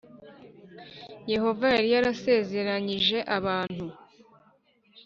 Yehova yari yarasezeranyije abantu .